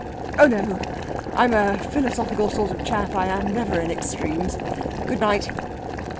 "Oh no! I'm a philosophical sort of chap, I am! Never in extremes. Good night!"